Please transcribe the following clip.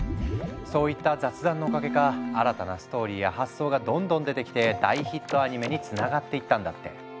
そういった雑談のおかげか新たなストーリーや発想がどんどん出てきて大ヒットアニメにつながっていったんだって。